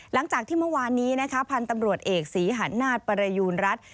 หลังจากที่เมื่อวานนี้นะคะพันธุ์ตำรวจเอกศรีหันนาฏประยูณรัฐ